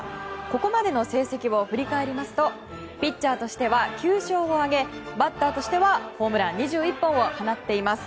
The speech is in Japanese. ここまでの成績を振り返りますとピッチャーとしては９勝を挙げバッターとしてはホームラン２１本を放っています。